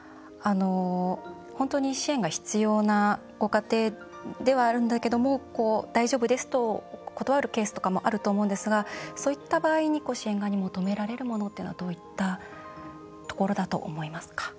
本当に支援が必要なご家庭ではあるんだけれども大丈夫ですと断るケースとかもあると思うんですがそういった場合に支援側に求められるものというのはどういったところだと思いますか。